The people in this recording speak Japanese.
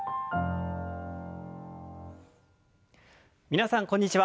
皆さんこんにちは。